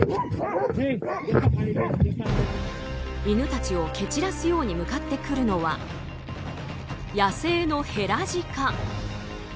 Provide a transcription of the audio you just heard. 犬たちを蹴散らすように向かってくるのは野生のヘラジカ。